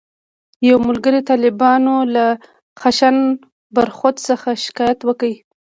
یو ملګري د طالبانو له خشن برخورد څخه شکایت وکړ.